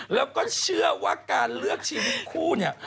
แล้วก็เชื่อว่าการเลือกชีวิตคู่เนี่ย